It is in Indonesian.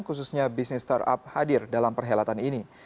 khususnya bisnis startup hadir dalam perhelatan ini